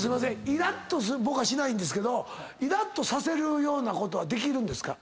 イラッと僕はしないんですけどイラッとさせるようなことはできるんですか？